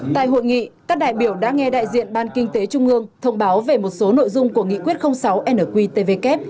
tại hội nghị các đại biểu đã nghe đại diện ban kinh tế trung ương thông báo về một số nội dung của nghị quyết sáu nqtvk